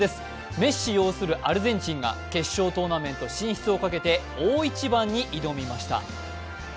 メッシ、擁するアルゼンチンが決勝トーナメントをかけて大一番に挑みました。